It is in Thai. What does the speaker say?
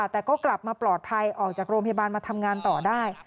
แต่ก็กลับมาปลอดภัยออกจากโรงพยาบาลมาทำงานต่อได้